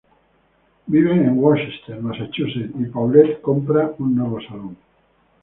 Viven en Worcester, Massachusetts y Paulette compra un nuevo salón.